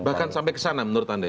bahkan sampai ke sana